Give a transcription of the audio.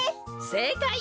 せいかい！